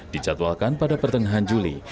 dijadwalkan pada pertengahan juli